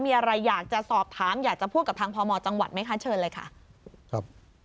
มีอะไรอยากจะสอบถามอยากจะพูดกับทางพมจังหวัดไหมคะเชิญเลยค่ะครับ